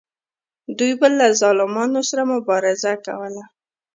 دوی به له ظالمانو سره مبارزه کوله.